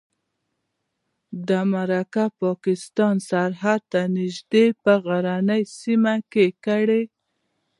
دا مرکه پاکستان سرحد ته نږدې په غرنۍ سیمه کې کړې.